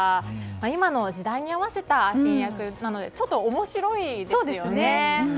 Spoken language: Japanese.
今の時代に合わせた新訳なのでちょっと面白いですよね。